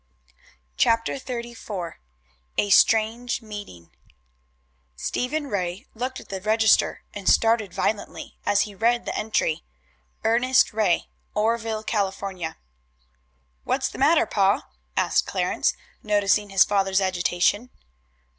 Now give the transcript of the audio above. CHAPTER XXXIV A STRANGE MEETING Stephen Ray looked at the register, and started violently as he read the entry: "Ernest Ray, Oreville, California." "What's the matter, pa?" asked Clarence, noticing his father's agitation.